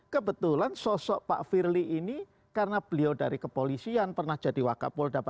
kebetulan sosok pak firly ini karena beliau dari kepolisian pernah jadi wakapolda papua